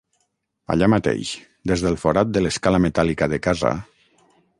Allà mateix, des del forat de l’escala metàl·lica de casa...